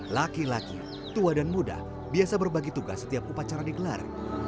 laki laki tua dan muda biasa berbagi tugas setiap upacara digelar